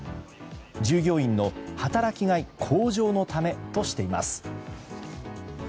従業員の働きがい向上のためとしています。